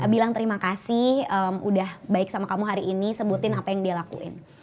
bilang terima kasih udah baik sama kamu hari ini sebutin apa yang dia lakuin